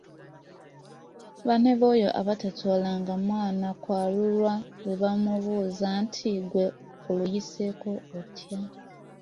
Banne b’oyo ataatwalanga mwana kwalulwa bwe baamubuuzanga nti ‘gwe oluyiseeko otya?`